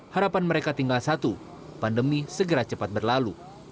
harapan mereka tinggal satu pandemi segera cepat berlalu